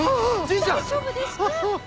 大丈夫ですか？